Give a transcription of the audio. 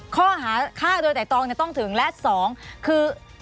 ข้อหาค่าโดยแต่ตองเนี่ยต้องถึงและสองคือ